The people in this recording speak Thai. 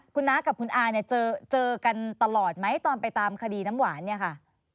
คุณน้ากับคุณอาเนี่ยเจอกันตลอดไหมตอนไปตามคดีน้ำหวานเนี่ยค่ะ